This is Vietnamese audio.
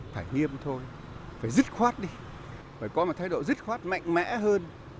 phải nghiêm thôi phải dứt khoát đi phải có một thay đổi dứt khoát mạnh mẽ hơn